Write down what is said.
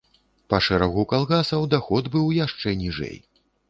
Па шэрагу калгасаў даход быў яшчэ ніжэй.